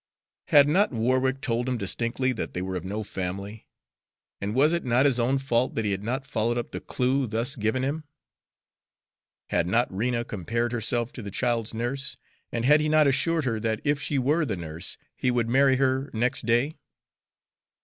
Had not Warwick told him distinctly that they were of no family, and was it not his own fault that he had not followed up the clue thus given him? Had not Rena compared herself to the child's nurse, and had he not assured her that if she were the nurse, he would marry her next day?